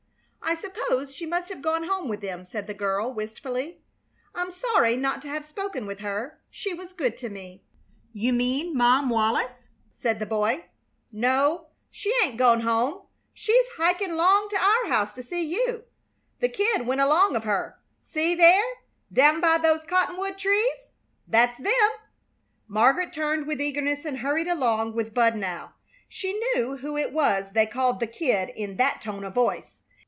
"I suppose she must have gone home with them," said the girl, wistfully. "I'm sorry not to have spoken with her. She was good to me." "You mean Mom Wallis?" said the boy. "No, she ain't gone home. She's hiking 'long to our house to see you. The Kid went along of her. See, there down by those cottonwood trees? That's them." Margaret turned with eagerness and hurried along with Bud now. She knew who it was they called the Kid in that tone of voice.